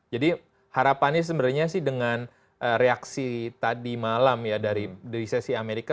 jadi harapannya sebenarnya sih dengan reaksi tadi malam ya dari sesi amerika